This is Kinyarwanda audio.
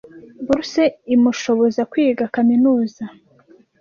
Bourse imushoboza kwiga kaminuza.